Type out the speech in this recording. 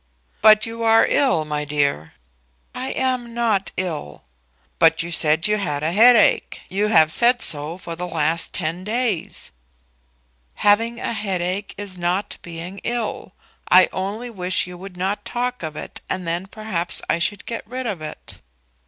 "But if you are ill, my dear " "I am not ill." "But you said you had a headache. You have said so for the last ten days." "Having a headache is not being ill. I only wish you would not talk of it, and then perhaps I should get rid of it."